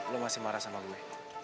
lo masih marah sama gue